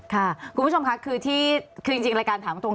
ค่ะคุณผู้ชมค่ะคือที่คือจริงรายการถามตรง